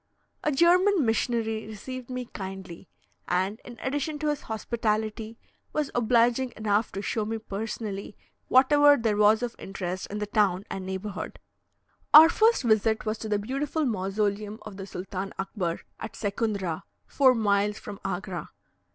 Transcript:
A German missionary received me kindly; and, in addition to his hospitality, was obliging enough to show me personally whatever there was of interest in the town and neighbourhood. Our first visit was to the beautiful mausoleum of the Sultan Akbar, at Secundra, four miles from Agra.